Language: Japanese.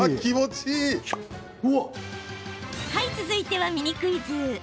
続いてはミニクイズ。